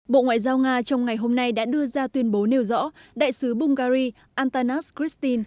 bộ ngoại giao nga trong ngày hôm nay đã đưa ra tuyên bố nêu rõ đại sứ bungary antanas chrystin